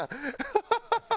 ハハハハ！